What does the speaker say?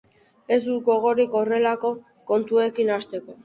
Ez dut gogorik horrelako kontuekin hasteko.